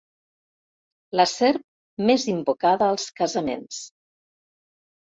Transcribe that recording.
La serp més invocada als casaments.